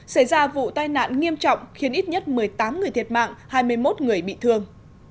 xảy ra vụ tai nạn nghiêm trọng khiến ít nhất một mươi tám người thiệt mạng hai mươi một người bị thương